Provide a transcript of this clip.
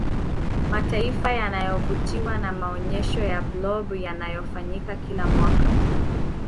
mataifa yanavutiwa na maonyesho ya blob yanayofanyika kila mwaka